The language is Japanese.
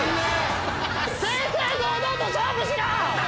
正々堂々と勝負しろ！